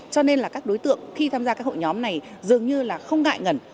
cho nên là các đối tượng khi tham gia các hội nhóm này dường như là không ngại ngẩn